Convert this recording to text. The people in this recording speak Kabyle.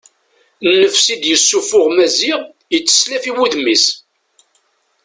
Nnefs i d-yessuffuɣ Maziɣ yetteslaf i wudem-is.